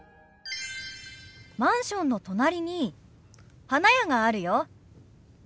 マンションの隣に花屋があるよ。